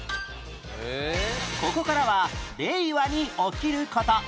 ここからは令和に起きる事